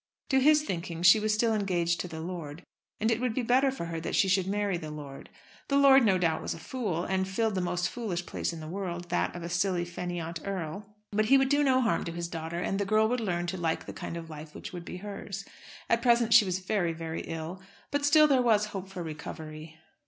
To his thinking she was still engaged to the lord, and it would be better for her that she should marry the lord. The lord no doubt was a fool, and filled the most foolish place in the world, that of a silly fainéant earl. But he would do no harm to his daughter, and the girl would learn to like the kind of life which would be hers. At present she was very, very ill, but still there was hope for recovery.